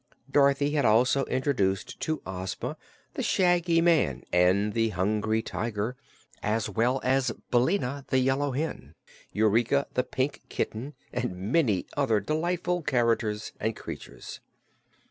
Dorothy had also introduced to Ozma the Shaggy Man and the Hungry Tiger, as well as Billina the Yellow Hen, Eureka the Pink Kitten, and many other delightful characters and creatures.